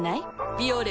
「ビオレ」